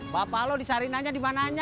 bapak lo di sarina nya di mana nya